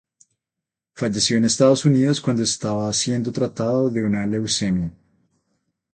Falleció en Estados Unidos cuando estaba siendo tratado de una leucemia.